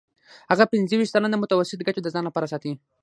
هغه پنځه ویشت سلنه متوسطه ګټه د ځان لپاره ساتي